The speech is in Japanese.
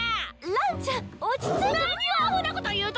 ランちゃん落ち着いて。